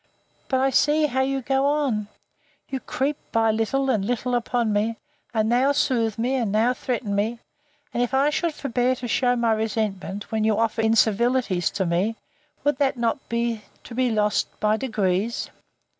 —But I see how you go on: you creep by little and little upon me; and now soothe me, and now threaten me; and if I should forbear to shew my resentment, when you offer incivilities to me, would not that be to be lost by degrees?